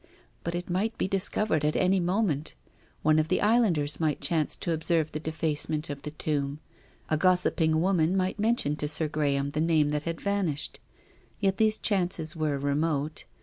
But it might be discovered at any moment. One of the islanders might chance to observe the defacement of the tomb. A gossip ing woman might mention to Sir Graham the name that had vanished. Yet these chances were remote.